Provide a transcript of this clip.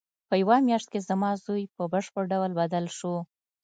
په یوه میاشت کې زما زوی په بشپړ ډول بدل شو